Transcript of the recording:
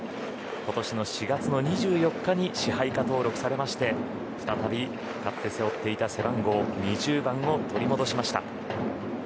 今年の４月の２４日に支配下登録されて再び、かつて背負っていた背番号２０番を取り戻しました。